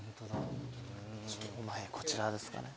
こちらですかね。